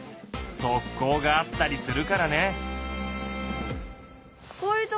側溝があったりするからね。